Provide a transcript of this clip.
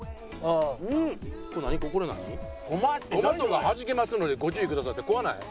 「トマトがはじけますのでご注意下さい」って怖ない？